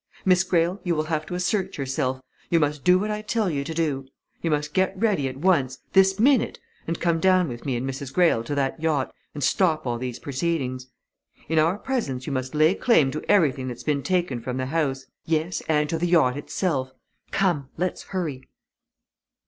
Miss Greyle, you will have to assert yourself. You must do what I tell you to do. You must get ready at once this minute! and come down with me and Mrs. Greyle to that yacht and stop all these proceedings. In our presence you must lay claim to everything that's been taken from the house yes, and to the yacht itself. Come, let's hurry!"